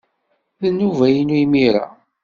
D nnuba-inu imir-a.